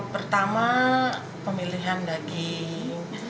pertama pemilihan daging